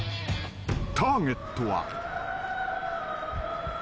［ターゲットは］